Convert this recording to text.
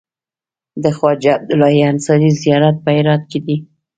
د خواجه عبدالله انصاري زيارت په هرات کی دی